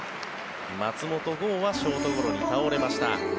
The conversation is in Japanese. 松本剛はショートゴロに倒れました。